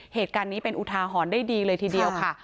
เหตุการณ์นี้เป็นอุทาหรณ์ได้ดีเลยทีเดียวค่ะ